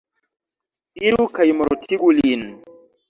Iru kaj mortigu lin.